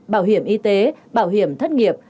bảo hiểm y tế bảo hiểm thất nghiệp